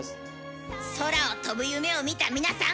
空を飛ぶ夢を見た皆さん。